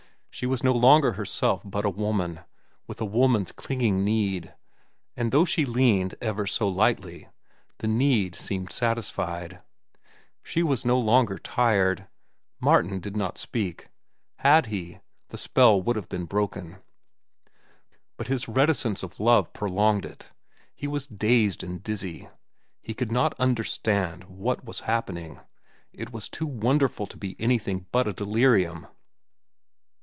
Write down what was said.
She was no longer herself but a woman, with a woman's clinging need; and though she leaned ever so lightly, the need seemed satisfied. She was no longer tired. Martin did not speak. Had he, the spell would have been broken. But his reticence of love prolonged it. He was dazed and dizzy. He could not understand what was happening. It was too wonderful to be anything but a delirium.